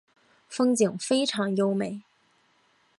风景非常优美。